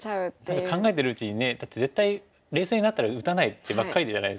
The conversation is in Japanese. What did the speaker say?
何か考えてるうちにねだって絶対冷静になったら打たない手ばっかりじゃないですか。